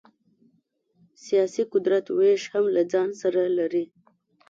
سیاسي قدرت وېش هم له ځان سره لري.